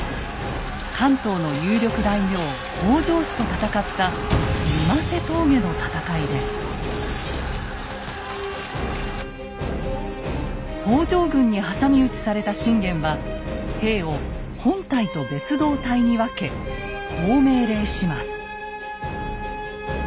関東の有力大名北条氏と戦った北条軍に挟み撃ちされた信玄は兵を本隊と別動隊に分けこう命令します。